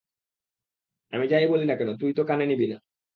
আমি যাই বলি না কেন তুই তো কানে নিবি না।